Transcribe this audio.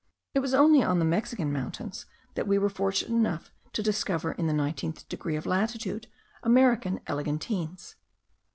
It was only on the Mexican mountains that we were fortunate enough to discover, in the nineteenth degree of latitude, American eglantines.